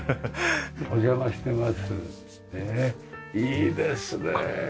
いいですね。